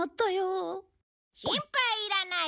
心配いらない。